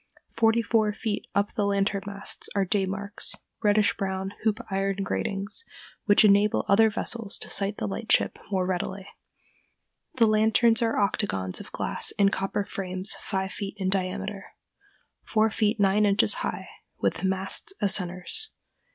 Forty four feet up the lantern masts are day marks, reddish brown hoop iron gratings, which enable other vessels to sight the lightship more readily. The lanterns are octagons of glass in copper frames five feet in diameter, four feet nine inches high, with the masts as centers.